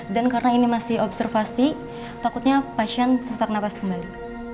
dan karena ini masih observasi takutnya pasien sesak nafas kembali